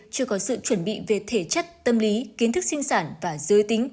chưa có sự chuẩn bị về thể chất tâm lý kiến thức sinh sản và giới tính